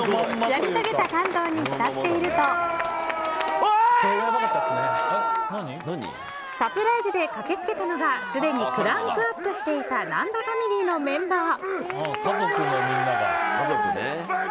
やり遂げた感動に浸っているとサプライズで駆け付けたのはすでにクランクアップしていた難破ファミリーのメンバー。